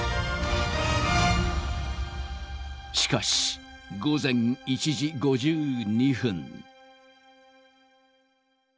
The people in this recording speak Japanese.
しかし午前１時５２分。